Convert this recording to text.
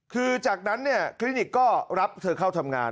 คือจากนั้นเนี่ยคลินิกก็รับเธอเข้าทำงาน